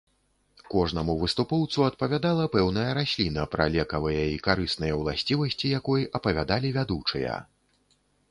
Кожнаму выступоўцу адпавядала пэўная расліна, пра лекавыя і карысныя ўласцівасці якой апавядалі вядучыя.